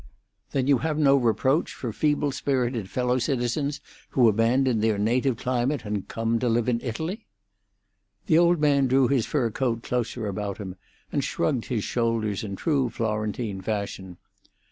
"Then you have no reproach for feeble spirited fellow citizens who abandon their native climate and come to live in Italy?" The old man drew his fur coat closer about him and shrugged his shoulders in true Florentine fashion.